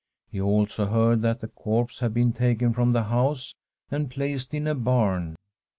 He also heard that the corpse had been taken from the house and placed in a barn.